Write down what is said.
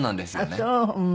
あっそう。